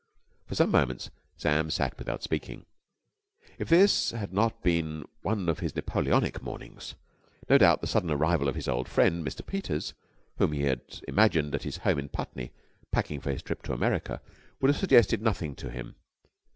For some moments Sam sat without speaking. If this had not been one of his Napoleonic mornings, no doubt the sudden arrival of his old friend, Mr. Peters, whom he had imagined at his home in Putney packing for his trip to America, would have suggested nothing to him.